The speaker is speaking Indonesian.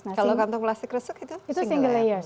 kalau kantong plastik resuk itu single layers